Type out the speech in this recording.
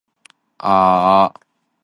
老少平安